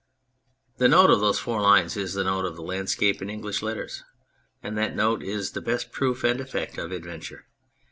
The note of those four lines is the note of Land scape in English letters, and that note is the best proof and effect of Adventure.